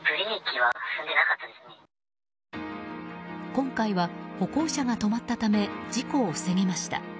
今回は歩行者が止まったため事故を防げました。